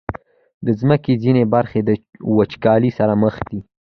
د مځکې ځینې برخې د وچکالۍ سره مخ دي.